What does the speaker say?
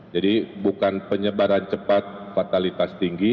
jadi bukan penyebaran cepat fatalitas tinggi